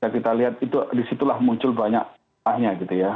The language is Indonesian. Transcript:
kita lihat disitulah muncul banyak pengetahuan gitu ya